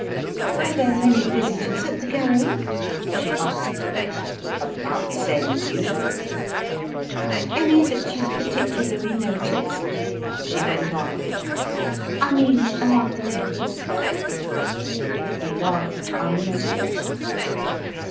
"Were there many visitors at the gallery?" she asked. "About the same as usual." "Any that you particularly noticed?" she went on. "I mean among the ladies." He laughed uneasily.